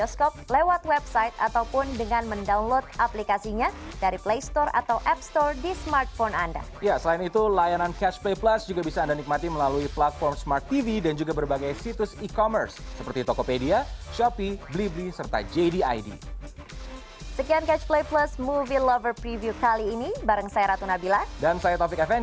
sampai jumpa di video selanjutnya